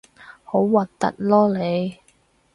好核突囉你